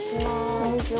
・こんにちは。